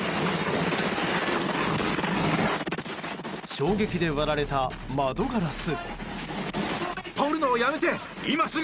衝撃で割られた窓ガラス。